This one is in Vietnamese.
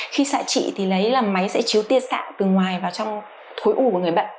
khi xạ trị thì lấy là máy sẽ chiếu tiên xạ từ ngoài vào trong khối u của người bệnh